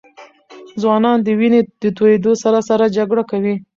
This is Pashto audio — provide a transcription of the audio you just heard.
ځوانان د وینې د تویېدو سره سره جګړه کوي.